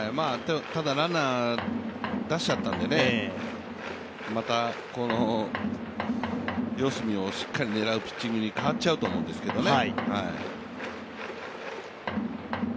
ただランナーを出しちゃったんでまた四隅をしっかり狙うピッチングに変わっちゃうと思うんですけどね。